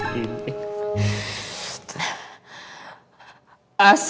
aduh mikrofonnya dimana sih